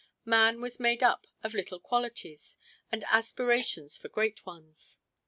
Man was made up of little qualities, and aspirations for great ones.